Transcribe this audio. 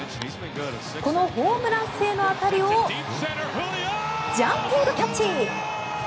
このホームラン性の当たりをジャンピングキャッチ。